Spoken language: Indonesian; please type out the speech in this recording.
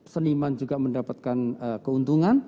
seniman juga mendapatkan keuntungan